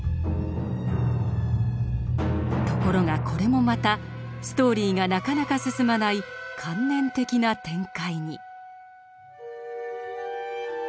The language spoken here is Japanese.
ところがこれもまたストーリーがなかなか進まない観念的な展開に。